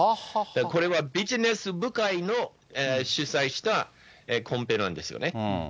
これはビジネス部会の主催したコンペなんですよね。